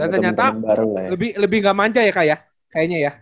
dan ternyata lebih gak manja ya kaya